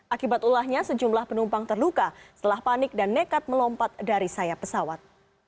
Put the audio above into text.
akibat ulahnya sejumlah penumpang terluka setelah panik dan nekat melompat dari sayap pesawat